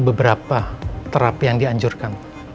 beberapa terapi yang dianjurkan